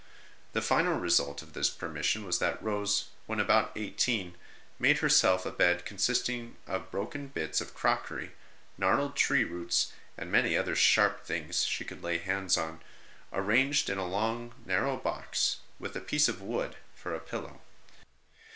The final result of this permission was that Rose, when about eighteen, made her self a bed consisting of broken bits of crockery, gnarled tree roots, and any other sharp things she could lay hands on, arranged in a long narrow box with a piece of wood for a pillow.